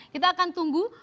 kita akan tunggu